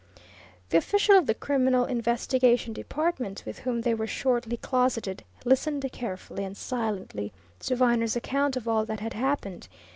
The official of the Criminal Investigation Department with whom they were shortly closeted, listened carefully and silently to Viner's account of all that had happened.